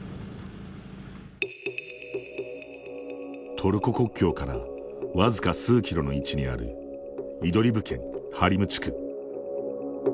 トルコ国境から僅か数キロの位置にあるイドリブ県ハリム地区。